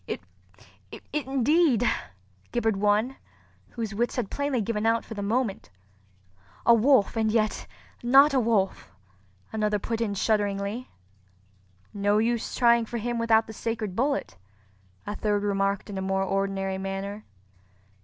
"It—it—indeed!" gibbered one, whose wits had plainly given out for the moment. "A wolf—and yet not a wolf!" another put in shudderingly. "No use trying for him without the sacred bullet," a third remarked in a more ordinary manner.